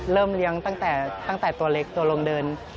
เลี้ยงตั้งแต่ตัวเล็กตัวลงเดิน